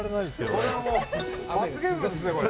これはもう罰ゲームですね、これ。